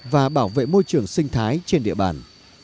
và bảo vệ môi trường sinh thái trên địa bàn